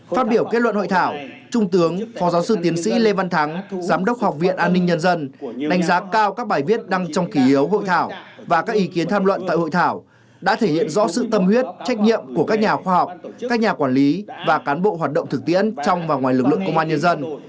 phát biểu kết luận hội thảo trung tướng phó giáo sư tiến sĩ lê văn thắng giám đốc học viện an ninh nhân dân đánh giá cao các bài viết đăng trong kỷ yếu hội thảo và các ý kiến tham luận tại hội thảo đã thể hiện rõ sự tâm huyết trách nhiệm của các nhà khoa học các nhà quản lý và cán bộ hoạt động thực tiễn trong và ngoài lực lượng công an nhân dân